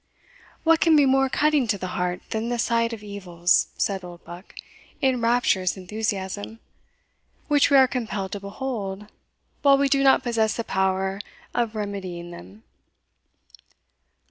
"What can be more cutting to the heart than the sight of evils," said Oldbuck, in rapturous enthusiasm, "which we are compelled to behold, while we do not possess the power of remedying them?"